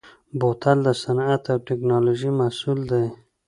بوتل د صنعت او تکنالوژۍ محصول دی.